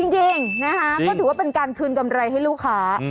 จริงนะคะก็ถือว่าเป็นการคืนกำไรให้ลูกค้า